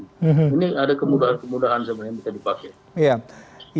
ini ada kemudahan kemudahan sebenarnya yang bisa dipakai